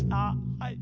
はい。